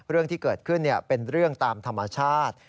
เรื่องที่เกิดขึ้นเป็นเรื่องตามธรรมชาติ